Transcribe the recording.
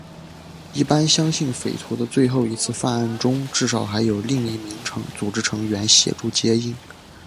一般相信匪徒的最后一次犯案中至少还有另一名组织成员协助接应。